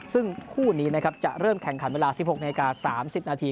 ซึ่งคู่นี้นะครับจะเริ่มแข่งขันเวลา๑๖นาที๓๐นาที